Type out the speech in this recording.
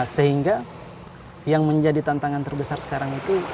sehingga yang menjadi tantangan terbesar sekarang itu